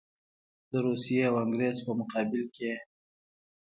د روسیې او انګرېز په مقابل کې.